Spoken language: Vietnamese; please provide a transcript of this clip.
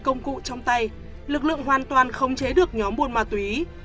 công cụ trong tay lực lượng hoàn toàn không chế được nhóm buôn ma túy